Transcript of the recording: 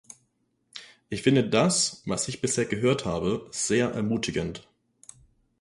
Ich finde das, was ich bisher gehört habe, sehr ermutigend.